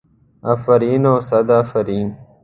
افرین و صد افرین.